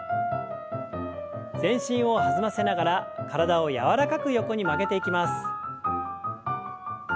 全身を弾ませながら体を柔らかく横に曲げていきます。